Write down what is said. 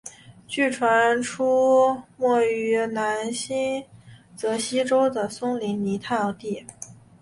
据传出没于南新泽西州的松林泥炭地。